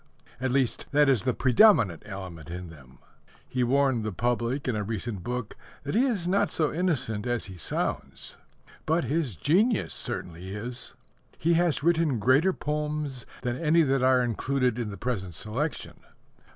At least, that is the predominant element in them. He warned the public in a recent book that he is not so innocent as he sounds. But his genius certainly is. He has written greater poems than any that are included in the present selection.